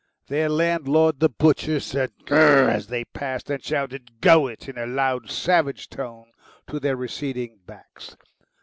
Their landlord, the butcher, said, "Gurr," as they passed, and shouted, "Go it!" in a loud, savage tone to their receding backs.